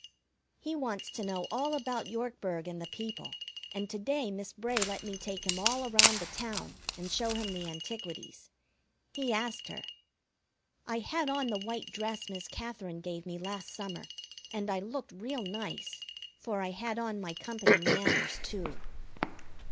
He wants to know all about Yorkburg and the people, and to day Miss Bray let me take him all around the town and show him the antiquities. He asked her. I had on the white dress Miss Katherine gave me last summer, and I looked real nice, for I had on my company manners, too.